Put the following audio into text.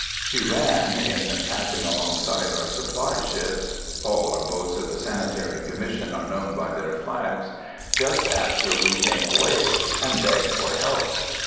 She ran, in passing, along side our supply ships, (all our boats of the Sanitary Commission are known by their flags,) just after we came away, and begged for help.